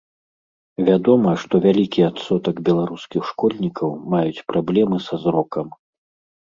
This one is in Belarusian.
Вядома, што вялікі адсотак беларускіх школьнікаў маюць праблемы са зрокам.